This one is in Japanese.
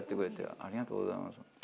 ありがとうございます。